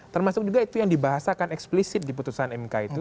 termasuk juga itu yang dibahasakan eksplisit di putusan mk itu